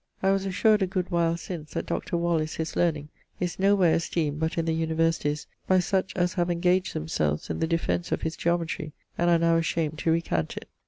I was assured a good while since that Dr. Wallis his learning is no where esteemed but in the Universities by such as have engaged themselves in the defence of his geometry and are now ashamed to recant it.